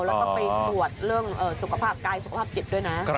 แล้วก็ไปตรวจเรื่องสุขภาพกายสุขภาพจิตด้วยนะ